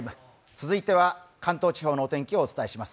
続いては関東地方のお天気をお伝えします。